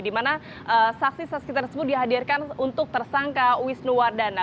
dimana saksi saksi tersebut dihadirkan untuk tersangka wisnuwardana